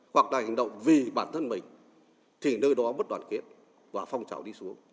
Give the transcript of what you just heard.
hoặc là hành động vì bản thân mình thì nơi đó mất đoàn kết và phong trào đi xuống